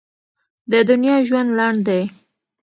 د دنیا ژوند لنډ دی.